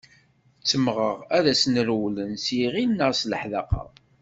Ttemmɣeɣ ad asen-rewlen s yiɣil neɣ s leḥdaqa.